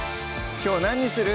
きょう何にする？